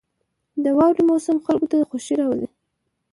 • د واورې موسم خلکو ته خوښي راولي.